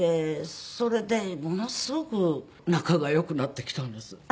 それでものすごく仲がよくなってきたんです。